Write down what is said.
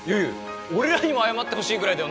俺らにも謝ってほしいぐらいだよ